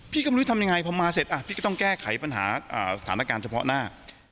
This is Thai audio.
ก็ไม่รู้ทำยังไงพอมาเสร็จพี่ก็ต้องแก้ไขปัญหาสถานการณ์เฉพาะหน้า